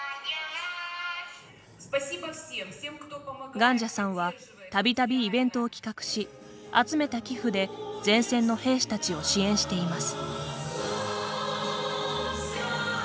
ガンジャさんはたびたびイベントを企画し集めた寄付で前線の兵士たちを支援しています。